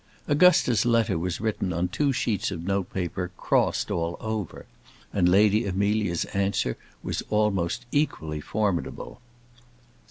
Augusta's letter was written on two sheets of note paper, crossed all over; and Lady Amelia's answer was almost equally formidable.